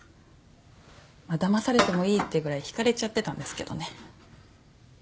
まあだまされてもいいってぐらい引かれちゃってたんですけどね。